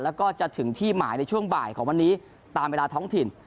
แล้วก็ถึงที่หมายในเวลาบ่ายของหนีตามเวลาท้องถิ่น